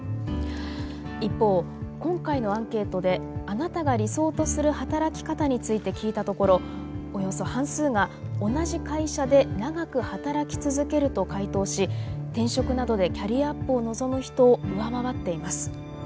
一方今回のアンケートであなたが理想とする働き方について聞いたところおよそ半数が「同じ会社で長く働き続ける」と回答し転職などでキャリアアップを望む人を上回っています。